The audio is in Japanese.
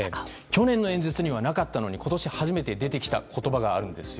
去年の演説にはなかったのに今年初めて出てきた言葉があるんです。